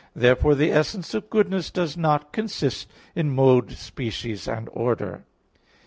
Therefore the essence of goodness does not consist in mode, species and order.